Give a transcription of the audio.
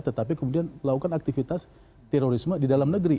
tetapi kemudian lakukan aktivitas terorisme di dalam negeri